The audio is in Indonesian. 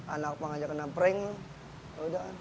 anak pengajian kena prank